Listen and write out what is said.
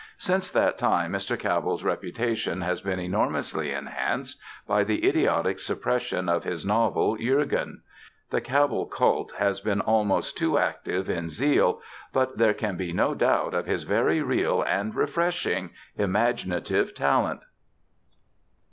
Since that time Mr. Cabell's reputation has been enormously enhanced by the idiotic suppression of his novel Jurgen. The Cabell cult has been almost too active in zeal, but there can be no doubt of his very real and refreshing imaginative talent.